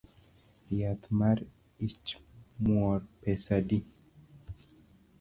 Yath mar ichmwor pesa adi?